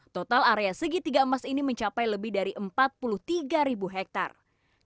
total area segitiga emas ini mencapai lebih dari empat puluh tiga ribu hektare